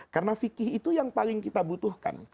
karena fiqih itu yang paling kita butuhkan